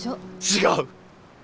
違う！